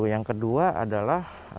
yang kedua adalah